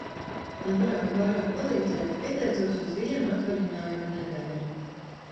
Lai varētu vairāk palīdzēt, pieteicos uz vienu atvaļinājuma nedēļu.